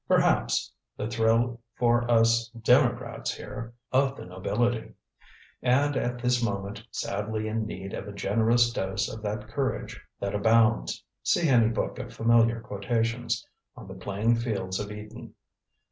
Perhaps the thrill for us democrats here! of the nobility. And at this moment sadly in need of a generous dose of that courage that abounds see any book of familiar quotations on the playing fields of Eton.